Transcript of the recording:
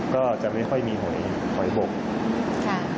ก็จะไม่ค่อยมีหอยบก